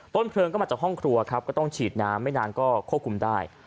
เพลิงก็มาจากห้องครัวครับก็ต้องฉีดน้ำไม่นานก็ควบคุมได้